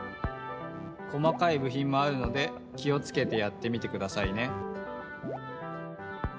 細かいぶひんもあるので気をつけてやってみてくださいね。